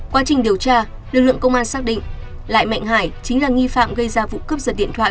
quá trình điều tra lực lượng công an xác định lại mạnh hải chính là nghi phạm gây ra vụ cướp giật điện thoại